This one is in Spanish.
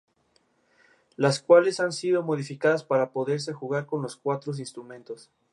El pueblo está en la margen izquierda del río Albaida.